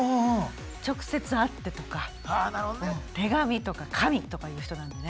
直接会ってとか手紙とか紙とかいう人なんでね。